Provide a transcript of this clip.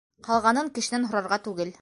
- Ҡалғанын кешенән һорарға түгел.